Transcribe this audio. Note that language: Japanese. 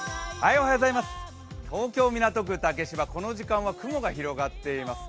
東京・港区竹芝、この時間は雲が出ています。